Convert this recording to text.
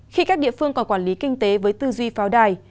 khi các địa phương còn quản lý kinh tế với tư duy pháo đài